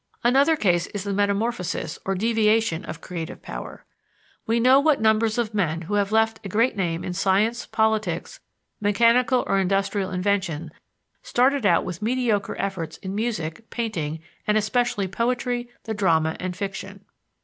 Another case is the metamorphosis or deviation of creative power. We know what numbers of men who have left a great name in science, politics, mechanical or industrial invention started out with mediocre efforts in music, painting, and especially poetry, the drama, and fiction.